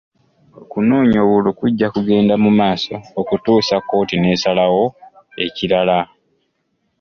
Okunoonya obululu kujja kugenda mu maaso okutuusa kkooti n'enaasalawo ekirala.